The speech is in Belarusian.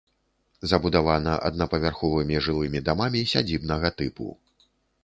Забудавана аднапавярховымі жылымі дамамі сядзібнага тыпу.